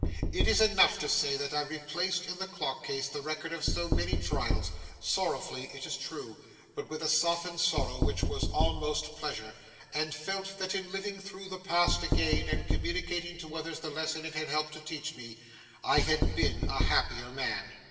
It is enough to say that I replaced in the clock case the record of so many trials,—sorrowfully, it is true, but with a softened sorrow which was almost pleasure; and felt that in living through the past again, and communicating to others the lesson it had helped to teach me, I had been a happier man.